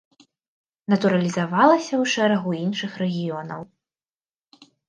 Натуралізавалася ў шэрагу іншых рэгіёнаў.